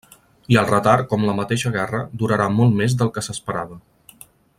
I el retard, com la mateixa guerra, durarà molt més del que s'esperava.